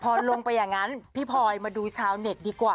พอลงไปอย่างนั้นพี่พลอยมาดูชาวเน็ตดีกว่า